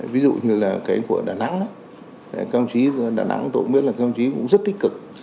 ví dụ như là cái của đà nẵng đà nẵng tổng biết là công trí cũng rất tích cực